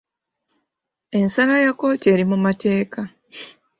Ensala ya kkooti eri mu mateeka.